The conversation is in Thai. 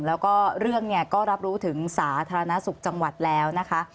แล้วก็เรื่องเนี่ยก็รับรู้ถึงสาธารณสุขจังหวัดแล้วนะคะ